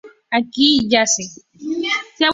Aquí yace.